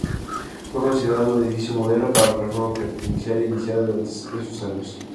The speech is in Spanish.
Fue considerado un edificio modelo para la reforma penitenciaria iniciada durante esos años.